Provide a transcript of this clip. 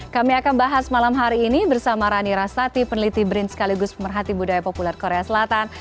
kami akan bahas malam hari ini bersama rani rastati peneliti brin sekaligus pemerhati budaya populer korea selatan